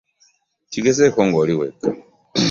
Kigezeko ng'oli wekka.